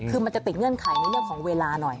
คือมันจะติดเงื่อนไขในเรื่องของเวลาหน่อย